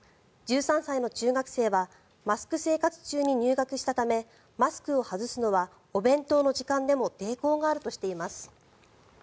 １３歳の中学生はマスク生活中に入学したためマスクを外すのはお弁当の時間でも抵抗があるとしています。